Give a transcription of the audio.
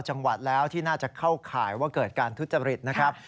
จังหวัดแล้วที่น่าจะเข้าข่ายว่าเกิดการทุจริตนะครับ